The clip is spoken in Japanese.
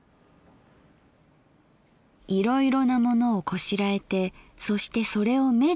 「いろいろなものをこしらえてそしてそれを目で食べる工夫をする。